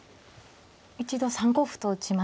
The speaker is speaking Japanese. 一度３五歩と打ちました。